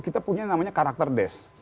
kita punya namanya karakter desk